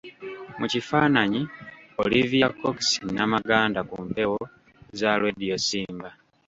Mu kifaananyi, Olivia Cox Namaganda ku mpewo za Radio Simba.